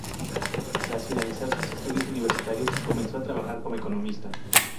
Tras finalizar sus estudios universitarios comenzó trabajar como economista.